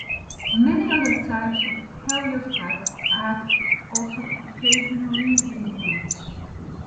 Many other types of heliostat have also occasionally been used.